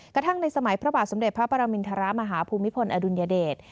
กระทั่งในสมัยพระบาทสมเด็จพระปรมินทรมาฮภูมิพลอดุลยเดช